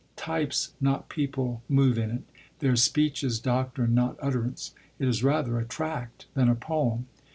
Types, not people, move in it; their speech is doctrine, not utterance; it is rather a tract than a poem.